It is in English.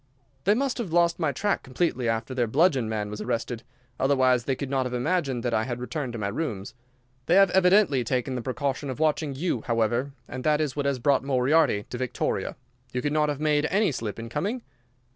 "They must have lost my track completely after their bludgeon man was arrested. Otherwise they could not have imagined that I had returned to my rooms. They have evidently taken the precaution of watching you, however, and that is what has brought Moriarty to Victoria. You could not have made any slip in coming?"